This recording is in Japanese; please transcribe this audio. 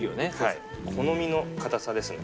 好みの硬さですね